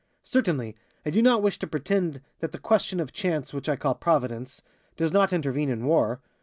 Certainly, I do not wish to pretend that the question of chance, which I call Providence, does not intervene in war.